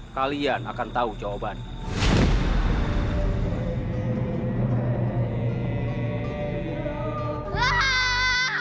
kalian akan tahu jawabannya